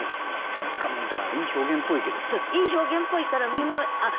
いい表現っぽいからみんな「あっ！